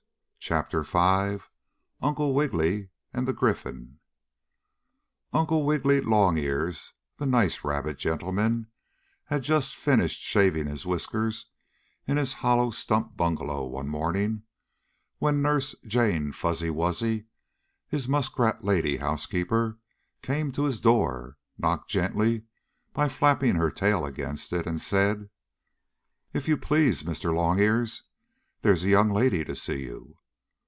CHAPTER V UNCLE WIGGILY AND THE GRYPHON Uncle Wiggily Longears, the nice rabbit gentleman, had just finished shaving his whiskers in his hollow stump bungalow one morning when Nurse Jane Fuzzy Wuzzy, his muskrat lady housekeeper, came to his door, knocked gently by flapping her tail against it, and said: "If you please, Mr. Longears, there's a young lady to see you."